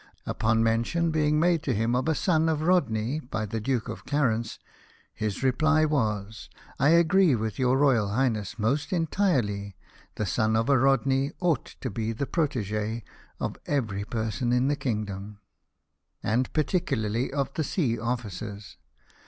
Upon mention being made to him of a son of Rodney by the Duke of Clarence, his reply was: " I agree with your Royal Highness most entirely that the son of a Rodney ought to be the protege of every s 2 276 LIFE OF NELSON person in the kingdom, and particularly of the sea officers.